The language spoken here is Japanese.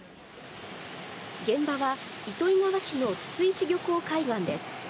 現場は糸魚川市の筒石漁港海岸です。